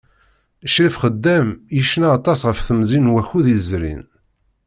Ccrif Xeddam yecna aṭas ɣef temẓi d wakud izerrin.